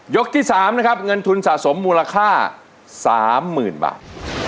ที่๓นะครับเงินทุนสะสมมูลค่า๓๐๐๐บาท